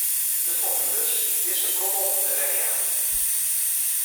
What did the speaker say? De formules yn dizze kolom werjaan.